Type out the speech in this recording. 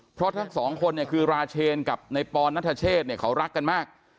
เพราะทั้งสองคนเนี่ยคือราเชนกับในปอนนัทเชษเนี่ยเขารักกันมาก